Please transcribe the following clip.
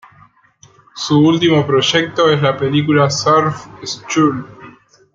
Su último proyecto es la película "Surf School".